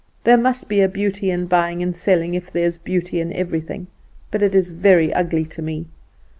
There must be a beauty in buying and selling, if there is beauty in everything: but it is very ugly to me.